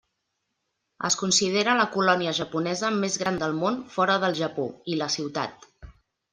Es considera la colònia japonesa més gran del món fora del Japó, i la ciutat.